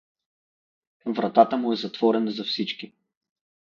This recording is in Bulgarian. Вратата му е затворена за всички.